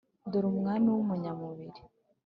dore umwami w’umunyamubiri.